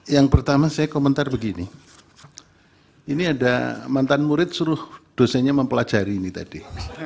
yang pertama saya komentar begini ini ada mantan murid suruh dosennya mempelajari ini tadi